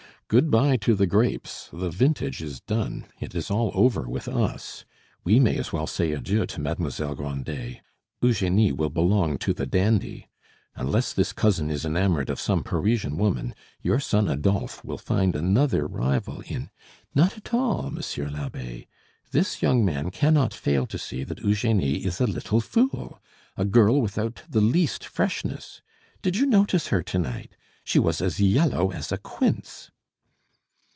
"Good by to the grapes, the vintage is done. It is all over with us. We may as well say adieu to Mademoiselle Grandet. Eugenie will belong to the dandy. Unless this cousin is enamoured of some Parisian woman, your son Adolphe will find another rival in " "Not at all, monsieur l'abbe. This young man cannot fail to see that Eugenie is a little fool, a girl without the least freshness. Did you notice her to night? She was as yellow as a quince."